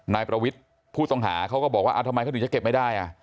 นายประวิทย์ผู้ต้องหาเขาก็บอกว่าทำไมเขาถึงจะเก็บไม่ได้